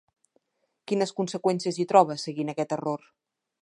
Quines conseqüències hi troba a seguir en aquest error?